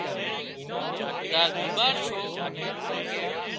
زار بيمار ڇو